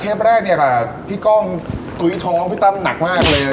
แรกเนี่ยค่ะพี่ก้องตุ๋ยท้องพี่ตั้มหนักมากเลย